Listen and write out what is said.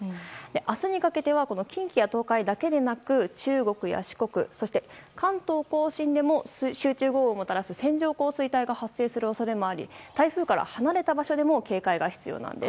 明日にかけては近畿や東海だけでなく中国や四国、関東・甲信でも集中豪雨をもたらす線状降水帯が発生する恐れもあり台風から離れた場所でも警戒が必要です。